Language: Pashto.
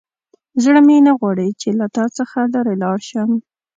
زړه مې نه غواړي چې له تا څخه لیرې لاړ شم.